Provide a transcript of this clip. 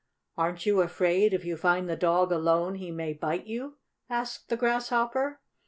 "Aren't you afraid, if you find the dog alone, he may bite you?" asked the Grasshopper.